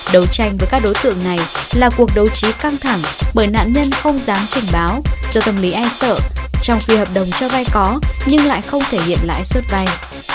đấu tranh với các đối tượng này là cuộc đấu trí căng thẳng bởi nạn nhân không dám trình báo do tâm lý e sợ trong khi hợp đồng cho vay có nhưng lại không thể hiện lãi suất vay